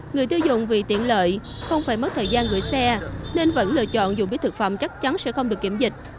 người tiêu dùng vì tiện lợi không phải mất thời gian gửi xe nên vẫn lựa chọn dùng biết thực phẩm chắc chắn sẽ không được kiểm dịch